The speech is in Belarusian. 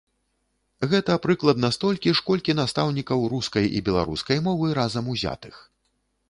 Гэта прыкладна столькі ж, колькі настаўнікаў рускай і беларускай мовы разам узятых.